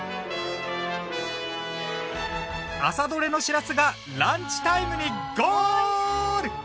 朝取れのしらすがランチタイムにゴール！